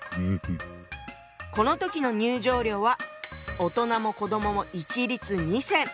この時の入場料は大人も子どもも一律２銭。